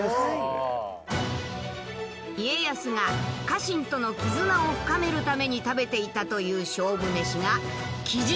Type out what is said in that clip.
家康が家臣との絆を深めるために食べていたという勝負メシがキジ鍋。